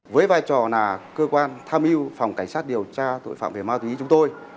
với vai trò là cơ quan tham yêu phòng cảnh sát điều tra tội phạm về ma túy chúng tôi